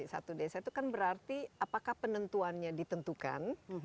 satu desa itu kan berarti apakah penentuannya ditentukan